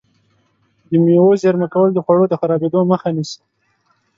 د مېوو زېرمه کول د خوړو د خرابېدو مخه نیسي.